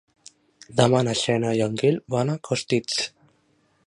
Demà na Xènia i en Gil van a Costitx.